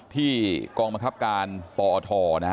ที่กองบังคับการปอท